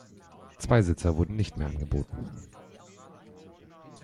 Zweisitzer wurden nicht mehr angeboten.